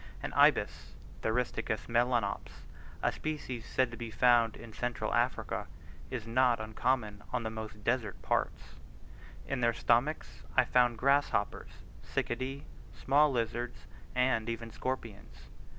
An ibis (Theristicus melanops a species said to be found in central Africa) is not uncommon on the most desert parts: in their stomachs I found grasshoppers, cicadae, small lizards, and even scorpions.